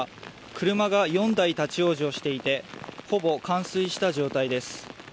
車が４台立ち往生していてほぼ冠水した状態です。